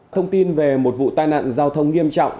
thông tin về một vụ tai nạn giao thông nghiêm trọng